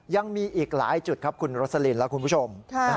ยังมีอีกหลายจุดครับคุณโรสลินและคุณผู้ชม